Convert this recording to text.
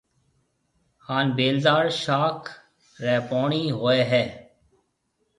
هانَ بيلدار شاخ ري پوڻِي هوئي هيَ۔